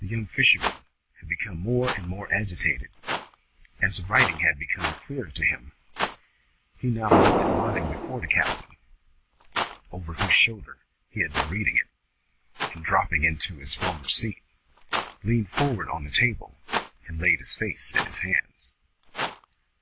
The young fisherman had become more and more agitated, as the writing had become clearer to him. He now left it lying before the captain, over whose shoulder he had been reading it, and dropping into his former seat, leaned forward on the table and laid his face in his hands.